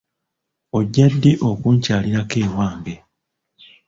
Ojja ddi okunkyalirako ewange?